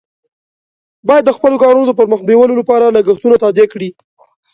باید د خپلو کارونو د پر مخ بیولو لپاره لګښتونه تادیه کړي.